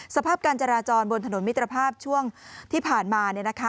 สภาพการจราจรบนถนนมิตรภาพช่วงที่ผ่านมา